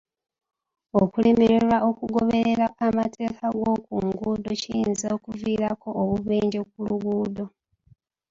Okulemererwa okugoberera amateeka g'oku nguudo kiyinza okuviirako obubenje ku luguudo.